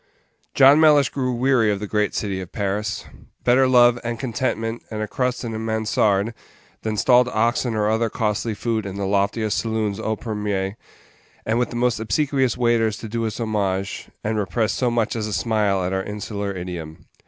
John Mellish grew weary of the great City of Paris. Better love, and contentment, and a crust in a mansarde, than stalled oxen or other costly food in the loftiest saloons au premier, and with the most obsequious waiters to do us homage, and repress so much as a smile at our insular idiom.